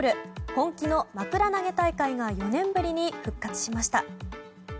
本気の枕投げ大会が４年ぶりに復活しました。